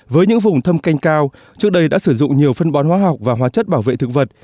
với những vùng thâm canh cao trước đây đã sử dụng nhiều phân bón hóa học và hóa chất bảo vệ thực vật